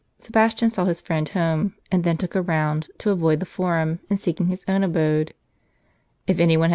Sebastian saw his friend home, and then took a round, to avoid the Forum in seeking his own abode.